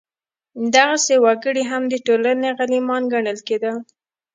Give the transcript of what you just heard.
دغسې وګړي هم د ټولنې غلیمان ګڼل کېدل.